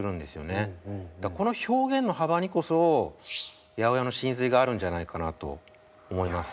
だからこの表現の幅にこそ８０８の神髄があるんじゃないかなと思います。